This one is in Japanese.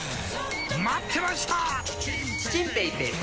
待ってました！